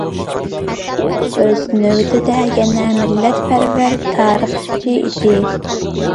ئۇ ئۆز نۆۋىتىدە يەنە مىللەتپەرۋەر تارىخچى ئىدى.